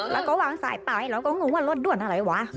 แล้วก็วางสายปลายแล้วก็งงว่ารถด้วนอะไรวะ